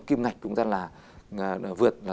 kim ngạch chúng ta là vượt